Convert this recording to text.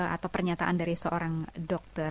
atau pernyataan dari seorang dokter